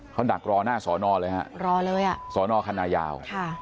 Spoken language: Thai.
เขาดักรอหน้าสอนอเลยฮะรอเลยอ่ะสอนอคันนายาวค่ะ